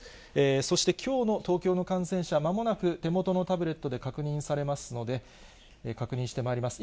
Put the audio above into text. そしてきょうの東京の感染者、まもなく手元のタブレットで確認されますので、確認してまいります。